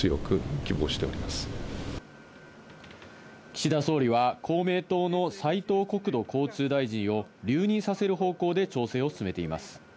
岸田総理は公明党の斉藤国土交通大臣を留任させる方向で調整を進めています。